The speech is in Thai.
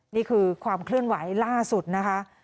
นี่คือความเคลื่อนไหวล่าสุดนะคะ